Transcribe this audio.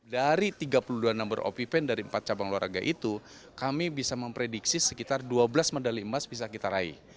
dari tiga puluh dua number opipen dari empat cabang olahraga itu kami bisa memprediksi sekitar dua belas medali emas bisa kita raih